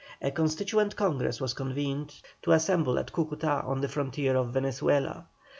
A Constituent Congress was convened, to assemble at Cúcuta on the frontier of Venezuela.